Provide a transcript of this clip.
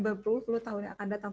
dua puluh tahun yang akan datang